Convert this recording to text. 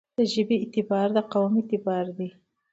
دژبې اعتبار دقوم اعتبار دی.